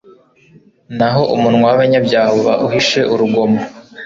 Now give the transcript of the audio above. naho umunwa w’abanyabyaha uba uhishe urugomo